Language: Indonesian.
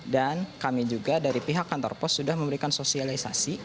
dan kami juga dari pihak kantor pos sudah memberikan sosialisasi